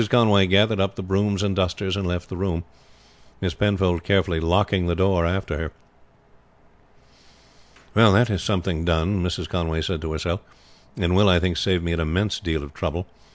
Conway gathered up the brooms and dusters and left the room, Miss Penfold carefully locking the door after her. "That is something done," Mrs. Conway said to herself; "and will, I think, save me an immense deal of trouble.